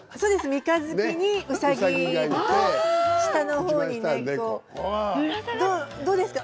三日月にうさぎがいて下の方に猫どうですか？